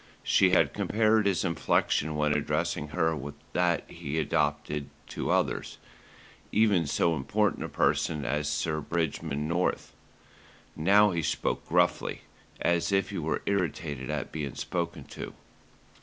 She had compared his inflection when addressing her with that he adopted to others, even so important a person as Sir Bridgman North. Now he spoke gruffly, as if he were irritated at being spoken to.